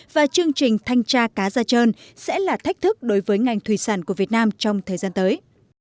và chương trình thanh tra cá gia trơn sẽ là thách thức đối với ngành thủy sản của việt nam trong thời gian tới